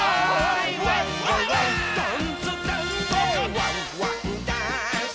「ワンワンダンス！」